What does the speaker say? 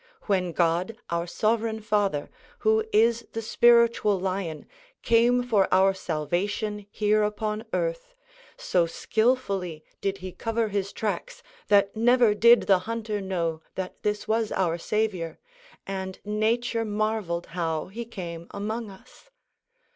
When God, our Sovereign father, who is the Spiritual lion, came for our salvation here upon earth, so skillfully did he cover his tracks that never did the hunter know that this was our Savior, and nature marveled how he came among us.